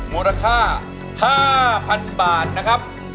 มูลค่า๕๐๐๐บาทนะครับ